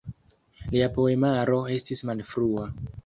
Lia poemaro estis malfrua.